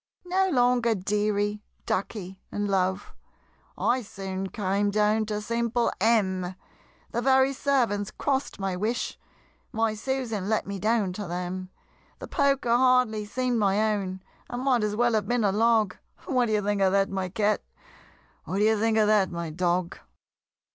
No longer Deary, Ducky, and Love, I soon came down to simple "M!" The very servants cross'd my wish, My Susan let me down to them. The poker hardly seem'd my own, I might as well have been a log What d'ye think of that, my Cat? What d'ye think of that, my Dog?